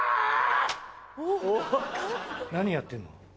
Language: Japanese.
何やってんの？